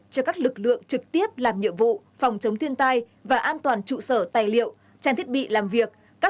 cho các lực lượng trực tiếp làm nhiệm vụ phòng chống thiên tai và an toàn trụ sở tài liệu trang thiết bị làm việc